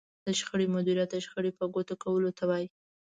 د شخړې مديريت د شخړې په ګوته کولو ته وايي.